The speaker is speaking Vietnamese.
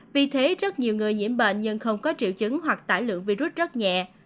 vì thế rất nhiều người nhiễm bệnh nhưng không có triệu chứng hoặc tải lượng virus rất nhẹ